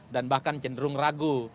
dan bahkan cenderung ragu